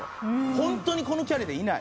本当にこのキャリアでいない。